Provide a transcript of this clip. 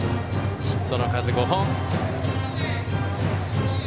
ヒットの数５本。